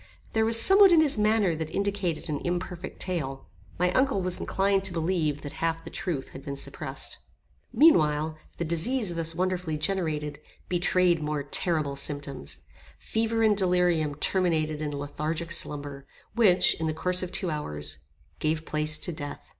There was somewhat in his manner that indicated an imperfect tale. My uncle was inclined to believe that half the truth had been suppressed. Meanwhile, the disease thus wonderfully generated, betrayed more terrible symptoms. Fever and delirium terminated in lethargic slumber, which, in the course of two hours, gave place to death.